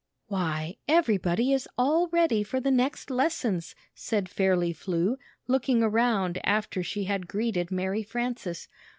"Why, everybody is all ready for the next lessons," said Fairly Flew, looking around after she had greeted Mary Frances.